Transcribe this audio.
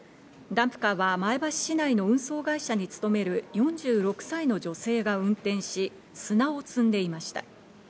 ダンプカーは前橋市内の運送会社に勤める４６歳の女性が運転し、砂を積んでいました。